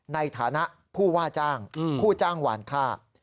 ในฐานะผู้ว่าจ้างผู้จ้างหวานค่า